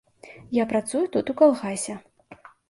Я працую тут у калгасе.